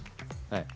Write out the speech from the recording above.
はい。